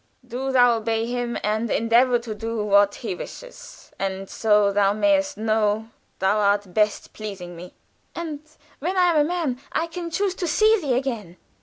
Do thou obey him and endeavor to do what he wishes, and so thou mayst know thou art best pleasing me." "And when I am a man I can choose to see thee again.